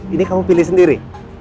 ini kamu pilih sendiri